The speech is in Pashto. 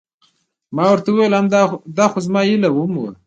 ما ورته وویل: همدا خو زما هیله هم وه.